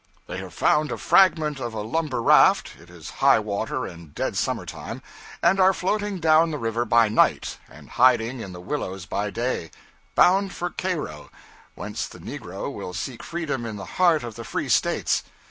They have found a fragment of a lumber raft (it is high water and dead summer time), and are floating down the river by night, and hiding in the willows by day, bound for Cairo, whence the negro will seek freedom in the heart of the free States.